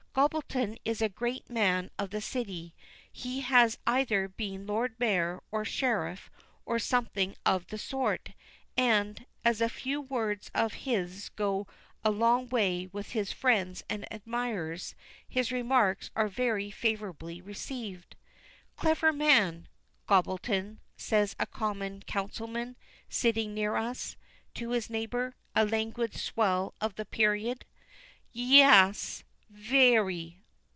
Gobbleton is a great man in the City. He has either been Lord Mayor, or sheriff, or something of the sort; and, as a few words of his go a long way with his friends and admirers, his remarks are very favourably received. "Clever man, Gobbleton!" says a common councilman, sitting near us, to his neighbour, a languid swell of the period. "Ya as, vewy!